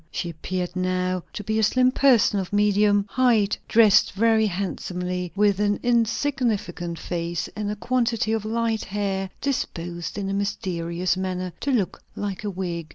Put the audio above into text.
She appeared now to be a slim person, of medium height, dressed very handsomely, with an insignificant face, and a quantity of light hair disposed in a mysterious manner to look like a wig.